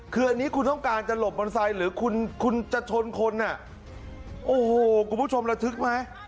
คืออันนี้คุณต้องการจะหลบมอเตอร์ไซค์หรือคุณคุณจะชนคนอ่ะโอ้โหคุณผู้ชมระทึกไหม